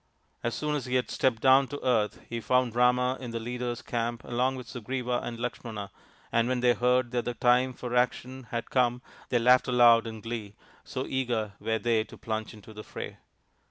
As soon as he had stepped down to earth he found Rama in the leader's camp along with Sugriva and Lakshmana, and when they heard that the time for action had come they laughed aloud in glee,, so eager were they to plunge into the fray.